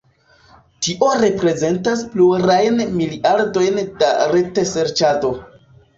Tio reprezentas plurajn miliardojn da retserĉado.